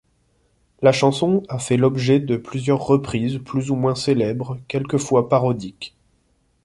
La chanson a fait l'objet de plusieurs reprises plus ou moins célèbres, quelquefois parodiques.